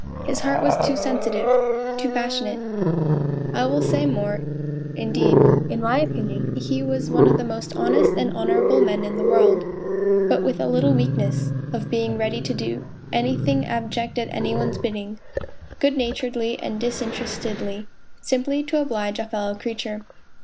His heart was too sensitive, too passionate ! I will say more, indeed : in my opinion, he was one of the most honest and honourable men in the world, but with a little weakness : of being ready to do anything abject at any one's bidding, good naturedly and disinterestedly, simply to oblige a fellow creature.